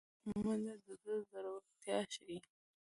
منډه د زړه زړورتیا ښيي